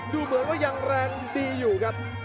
ดูเหมือนว่ายังแรงดีอยู่ครับ